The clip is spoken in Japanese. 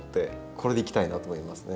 これでいきたいなと思いますね。